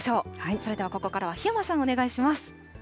それではここからは檜山さん、お願いします。